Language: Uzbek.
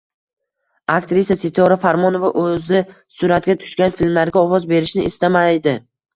Aktrisa Sitora Farmonova o‘zi suratga tushgan filmlarga ovoz berishni istamaydi